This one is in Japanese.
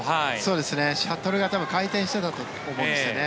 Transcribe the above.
シャトルが多分回転してたと思うんですね。